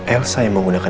elsa yang menggunakan